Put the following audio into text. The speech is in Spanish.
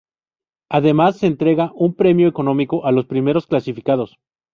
Además, se entrega un premio económico a los primeros clasificados.